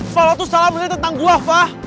fah lo tuh salah bener tentang gua fah